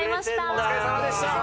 お疲れさまでした。